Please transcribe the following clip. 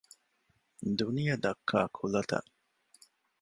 ދުނިޔެ ދައްކާ ކުލަތައް